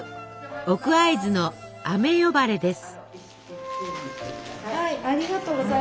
奥会津の「あめ呼ばれ」です。